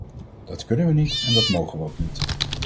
Dat kunnen we niet en dat mogen we ook niet.